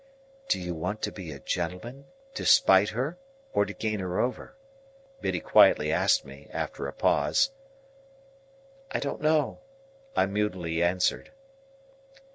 "Do you want to be a gentleman, to spite her or to gain her over?" Biddy quietly asked me, after a pause. "I don't know," I moodily answered.